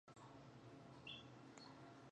خپلوان او شرکتونه باید همکاري وکړي.